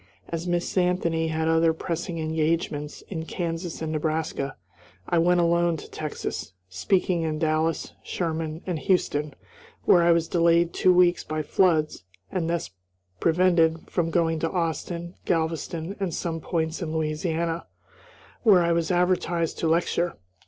As Miss Anthony had other pressing engagements in Kansas and Nebraska, I went alone to Texas, speaking in Dallas, Sherman, and Houston, where I was delayed two weeks by floods and thus prevented from going to Austin, Galveston, and some points in Louisiana, where I was advertised to lecture.